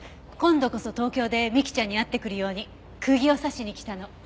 今度こそ東京で美貴ちゃんに会ってくるように釘を刺しに来たの。